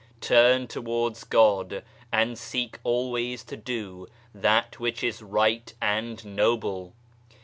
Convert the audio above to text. Turn towards God, and seek always to do that which is right and noble.